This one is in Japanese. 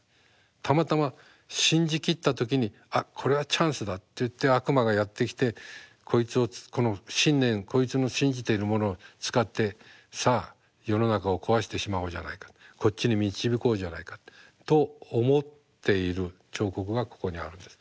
たまたま信じきった時に「あっこれはチャンスだ」といって悪魔がやって来てこいつをこの信念こいつの信じているものを使ってさあ世の中を壊してしまおうじゃないかこっちに導こうじゃないかと思っている彫刻がここにあるんです。